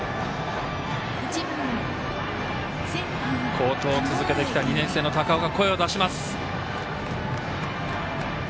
好投を続けてきた２年生の高尾が声を出します。